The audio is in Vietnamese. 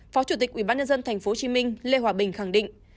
phó chủ tịch ubnd tp hcm lê hòa bình khẳng định